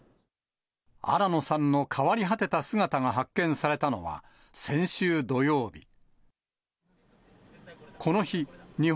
新野さんの変わり果てた姿が発見されたのは、先週土曜日。